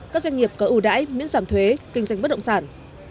các doanh nghiệp có ưu đãi miễn giảm thuế kinh doanh bất động sản